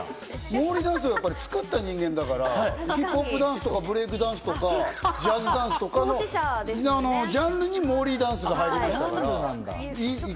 モーリーダンスを作った人間だから、ＨＩＰＨＯＰダンスとかブレイクダンスとかジャズダンスとかジャンルにモーリーダンスが入りましたから。